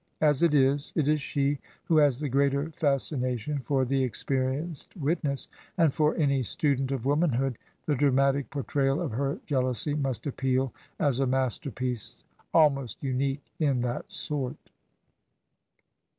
As it is, it is she who has the greater fascination for the experienced witness, and for any student of womanhood the dramatic portrayal of her jealousy must appeal as a masterpiece almost imique in that sort.